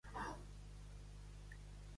Mal qui fa mal i pitjor qui el pren.